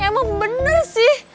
emang bener sih